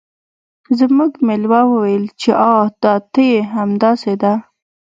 زموږ میلمه وویل چې آه دا ته یې همداسې ده